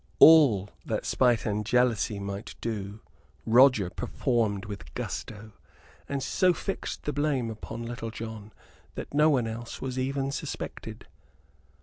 All that spite and jealousy might do Roger performed with gusto, and so fixed the blame upon Little John that no one else was even suspected.